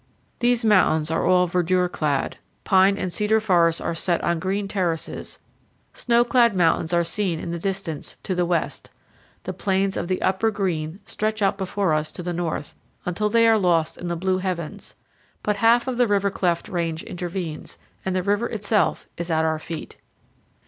These mountains are all verdure clad; pine and cedar forests are set on green terraces; snow clad mountains are seen in the distance, to the west; the plains of the upper Green stretch out before us to the north until they are lost in the blue heavens; but half of the river cleft range intervenes, and the river itself is at our feet.